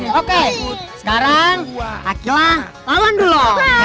pake gigi sampah yuk